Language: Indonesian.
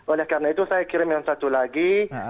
oleh karena itu saya kirim yang satu lagi